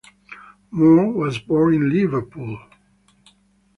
Moore was born in Liverpool.